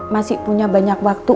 masih punya banyak waktu